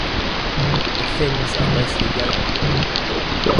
The fins are mostly yellow.